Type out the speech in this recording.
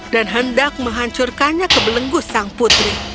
dan hendak menghancurkannya ke belenggus sang putri